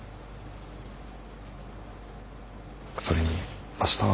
それに明日は。